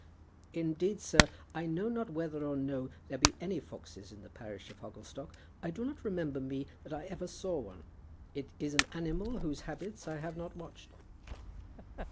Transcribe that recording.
"Indeed, sir, I know not whether or no there be any foxes in the parish of Hogglestock. I do not remember me that I ever saw one. It is an animal whose habits I have not watched."